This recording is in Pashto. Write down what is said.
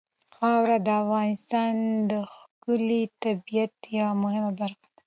خاوره د افغانستان د ښکلي طبیعت یوه مهمه برخه ده.